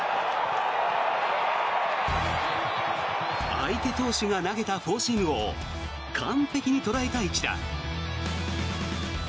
相手投手が投げたフォーシームを完璧に捉えた一打。